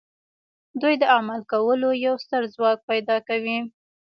دوی د عمل کولو یو ستر ځواک پیدا کوي